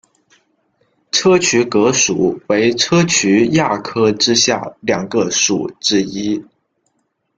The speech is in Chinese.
砗磲蛤属为砗磲亚科之下两个属之一。